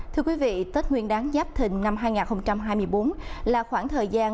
thưa quý vị tết nguyên đáng giáp thình năm hai nghìn hai mươi bốn là khoảng thời gian